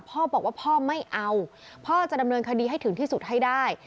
พ่อบอกว่าพ่อไม่เอาพ่อจะดำเนินคดีให้ถึงที่สุดให้ได้